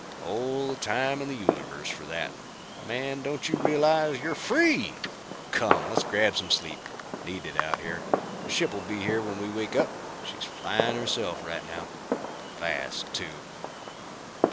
"All the time in the universe for that. Man, don't you realize you're free? Come, let's grab some sleep. Need it out here. The ship'll be here when we wake up. She's flying herself right now. Fast, too."